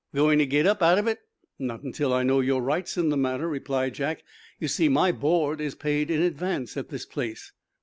"Going to get up out of it?" "Not until I know your rights in the matter," replied Jack. "You see, my board is paid in advance at this place."